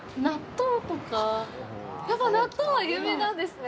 あっ、やっぱり納豆が有名なんですね！